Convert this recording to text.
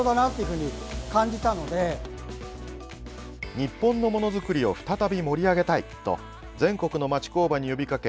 日本のものづくりを再び盛り上げたいと全国の町工場に呼びかけ